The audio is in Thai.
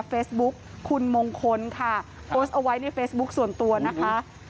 เฟซบุ๊คคุณมงคลค่ะโพสต์เอาไว้ในเฟซบุ๊คส่วนตัวนะคะ